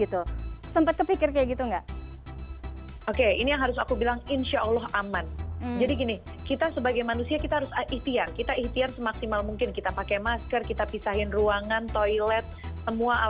agak clark brin ganze kayak gitu enggak ok hai oke ini harus aku bilang insyaallah amat jadi gini kita sebagai manusia kita cepat otia kita ikat semaksimal mungkin kita pakai masker kita ayo selesai representer ya balkan enggak akan quotes brut hotelsueprint level fake day game god thanks we zas